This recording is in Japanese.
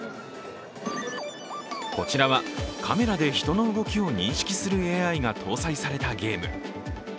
こちらはカメラで人の動きを認識するＡＩが搭載されたゲーム。